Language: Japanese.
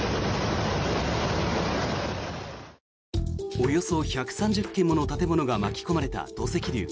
およそ１３０軒もの建物が巻き込まれた土石流。